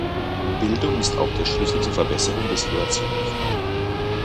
Bildung ist auch der Schlüssel zur Verbesserung der Situation der Frau.